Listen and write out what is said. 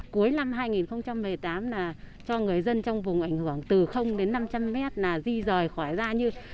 cuối năm hai nghìn một mươi tám là cho người dân trong vùng ảnh hưởng từ đến năm trăm linh mét là di rời khỏi ra như